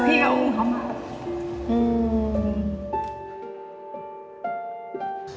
อืม